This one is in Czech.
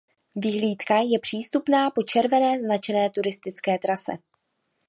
Vyhlídka je přístupná po červené značené turistické trase.